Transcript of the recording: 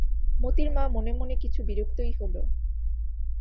মোতির মা মনে মনে কিছু বিরক্তই হল।